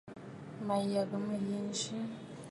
Mə̀ yə̀gə̀ mə̂ yi nzi.